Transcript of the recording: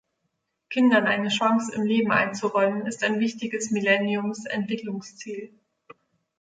Kindern eine Chance im Leben einzuräumen, ist ein wichtiges Millenniums-Entwicklungsziel.